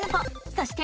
そして。